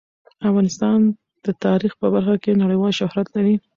افغانستان د تاریخ په برخه کې نړیوال شهرت لري.